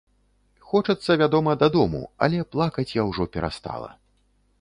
Хочацца, вядома, дадому, але плакаць я ўжо перастала.